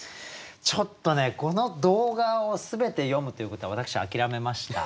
ちょっとねこの動画を全て詠むっていうことは私諦めました。